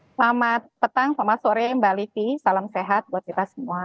selamat petang selamat sore mbak livi salam sehat buat kita semua